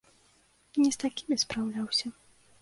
Не з такімі спраўляўся.